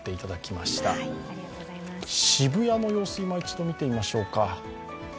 渋谷の様子、いま一度見てみましょうか。